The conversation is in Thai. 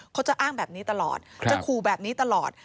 เขาจะอ้างแบบนี้ตลอดจะขู่แบบนี้ตลอด